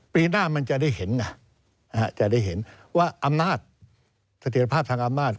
ปีหน้ามันจะได้เห็นว่าอำนาจสถิตภาพทางอำนาจ